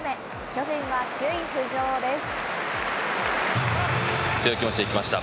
巨人は首位浮上です。